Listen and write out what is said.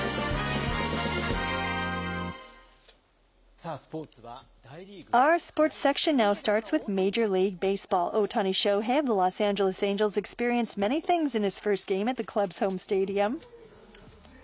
さあ、スポーツは大リーグからですね。